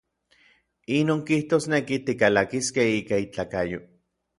Inon kijtosneki, tikalakiskej ika itlakayo.